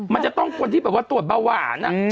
มันจะต้องคนที่ตรวจบะหวาน